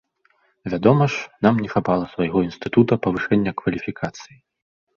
Вядома ж, нам не хапала свайго інстытута павышэння кваліфікацыі.